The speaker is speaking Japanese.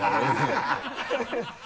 ハハハ